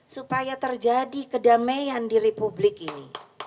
supaya terjadi kedamaian di republik ini